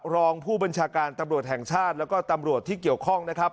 รองผู้บัญชาการตำรวจแห่งชาติแล้วก็ตำรวจที่เกี่ยวข้องนะครับ